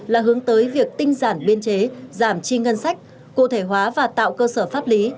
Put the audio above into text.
là hướng tới việc tinh giản biên chế giảm chi ngân sách cụ thể hóa và tạo cơ sở pháp lý